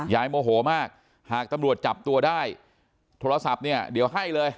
โมโหมากหากตำรวจจับตัวได้โทรศัพท์เนี่ยเดี๋ยวให้เลย